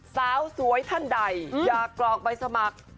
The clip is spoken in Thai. สาวสวยท่านใดอยากกรอกใบสมัคร